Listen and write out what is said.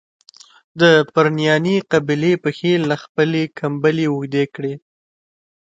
د پرنیاني قبیلې پښې له خپلي کمبلي اوږدې کړي.